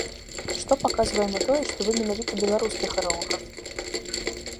Што паказвае на тое, што вы менавіта беларускі харэограф?